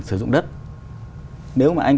sử dụng đất nếu mà anh